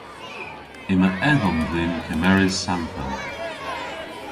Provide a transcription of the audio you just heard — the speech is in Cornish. Yma edhom dhyn kemeres sampel.